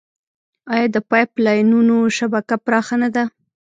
آیا د پایپ لاینونو شبکه پراخه نه ده؟